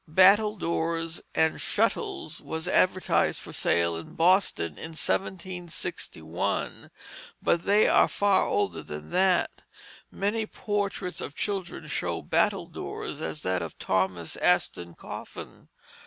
Battledores and Shuttles were advertised for sale in Boston in 1761; but they are far older than that. Many portraits of children show battledores, as that of Thomas Aston Coffin.